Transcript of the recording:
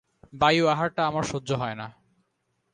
বায়ু-আহারটা আমার সহ্য হয় না।